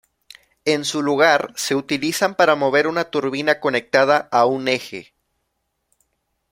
En su lugar, se utilizan para mover una turbina conectada a un eje.